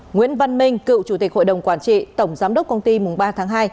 nguyễn văn minh cựu chủ tịch hội đồng quản trị tổng giám đốc công ty mùng ba tháng hai